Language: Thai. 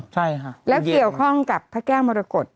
ใช่ค่ะแล้วเกี่ยวข้องกับพระแก้วมรกฏ